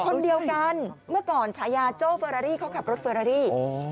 คนเดียวกันเมื่อก่อนฉายาโจ้เฟอรารี่เขาขับรถเฟอรารี่